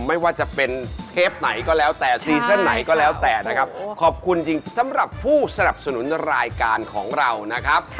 ไม่ว่าจะเป็นเทปไหนก็แล้วแต่ซีซั่นไหนก็แล้วแต่นะครับขอบคุณจริงสำหรับผู้สนับสนุนรายการของเรานะครับ